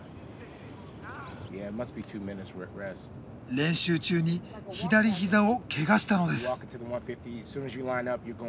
練習中に左ひざをけがしたのです。